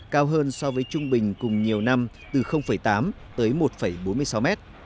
cao hơn so với trung bình cùng nhiều năm từ tám m tới một bốn mươi sáu m